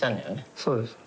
そうです。